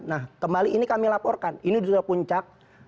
nah kembali ini kami laporkan ini sudah puncak